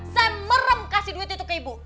saya merem kasih duit itu ke ibu